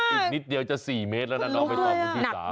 อีกนิดเดียวจะ๔เมตรแล้วนะน้องเบตรของพี่สาม